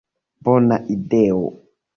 Bona ideo!